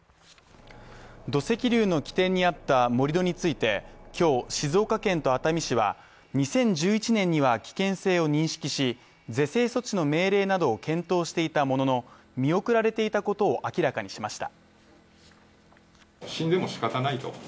土石流の起点にあった盛り土について今日、静岡県と熱海市は２０１１年には危険性を認識し、是正措置の命令などを検討していたものの、見送られていたことを明らかにしました。